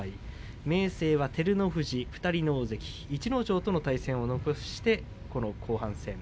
明生は照ノ富士、２人大関逸ノ城との対戦を残してこの後半戦。